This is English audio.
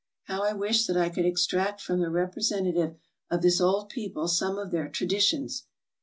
How I wished that I could extract from the repre sentative of this old people some of their traditions.